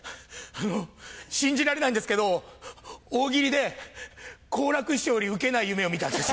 あの信じられないんですけど大喜利で好楽師匠よりウケない夢を見たんです。